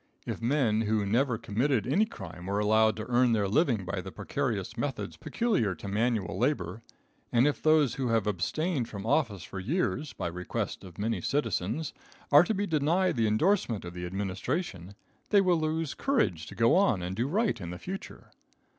If men who never committed any crime are allowed to earn their living by the precarious methods peculiar to manual labor, and if those who have abstained from office for years, by request of many citizens, are to be denied the endorsement of the administration, they will lose courage to go on and do right in the future.